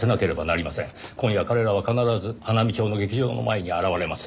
今夜彼らは必ず花見町の劇場の前に現れます。